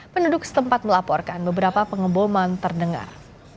penduduk setempat melaporkan beberapa pengeboman terdengar